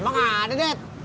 emang ada net